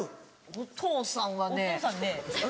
お父さんはね。